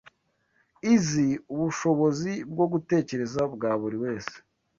Izi ubushobozi bwo gutekereza bwa buri wese